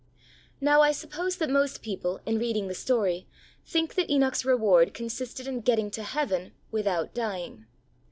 Now, I suppose that most people, in reading the story, think that Enoch's reward consisted in getting to heaven without dying.